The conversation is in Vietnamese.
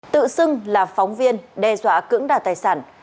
tự xưng là phóng viên đe dọa cưỡng đoạt tài sản